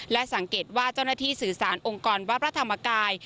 และสังเกตว่าเจ้าหน้าที่สื่อสารองค์กรวัดพระธรรมกาย